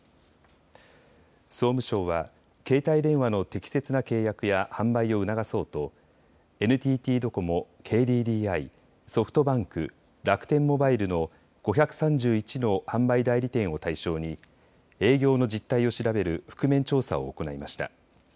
総務省は携帯電話の適切な契約や販売を促そうとＮＴＴドコモ、ＫＤＤＩ、ソフトバンク、楽天モバイルの５３１の販売代理店を対象に営業の実態を調べる覆面調査を行いました。